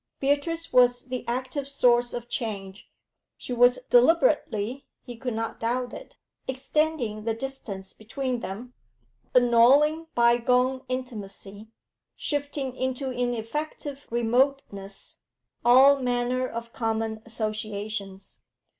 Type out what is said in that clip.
Beatrice was the active source of change. She was deliberately he could not doubt it extending the distance between them, annulling bygone intimacy, shifting into ineffective remoteness all manner of common associations.